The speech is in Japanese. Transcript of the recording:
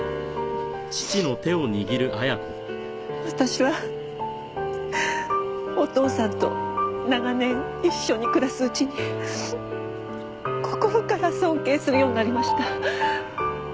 私はお義父さんと長年一緒に暮らすうちに心から尊敬するようになりました。